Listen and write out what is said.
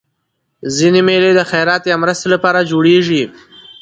ځيني مېلې د خیرات یا مرستي له پاره جوړېږي.